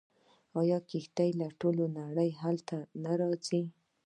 آیا کښتۍ له ټولې نړۍ هلته نه راځي؟